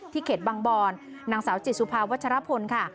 เขตบางบอนนางสาวจิตสุภาวัชรพลค่ะ